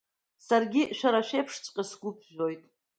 Саргьы шәара шәеиԥшҵәҟьа сгәы ԥжәоит…